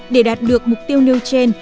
để đạt được mục tiêu nêu trên